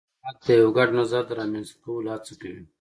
حکومت د یو ګډ نظر د رامنځته کولو هڅه کوي